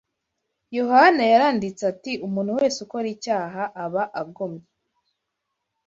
Yohana yaranditse ati: “Umuntu wese ukora icyaha, aba agomye